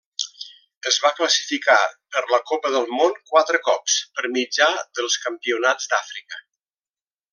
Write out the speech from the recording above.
Es va classificar per la Copa del Món quatre cops per mitjà dels campionats d'Àfrica.